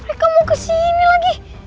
mereka mau kesini lagi